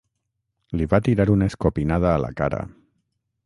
Li va tirar una escopinada a la cara.